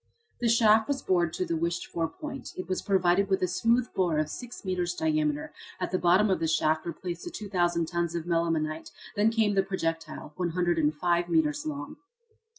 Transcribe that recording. The shaft was bored to the wished for point. It was provided with a smooth bore of six metres diameter. At the bottom of the shaft were placed the 2,000 tons of melimelonite; then came the projectile 105 metres long.